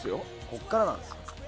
ここからなんですよ。